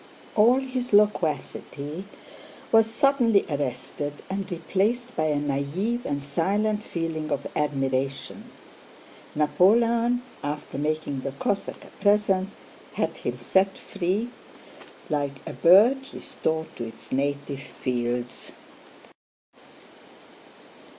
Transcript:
All his loquacity was suddenly arrested and replaced by a naïve and silent feeling of admiration. Napoleon, after making the Cossack a present, had him set free like a bird restored to its native fields."